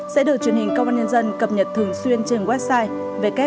sẽ được truyền hình công an nhân dân cập nhật thường xuyên trên website